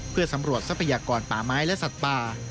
เพื่อสำรวจทรัพยากรป่าไม้และสัตว์ป่า